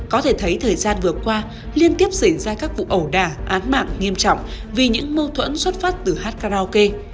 có thể thấy thời gian vừa qua liên tiếp xảy ra các vụ ẩu đà án mạng nghiêm trọng vì những mâu thuẫn xuất phát từ hát karaoke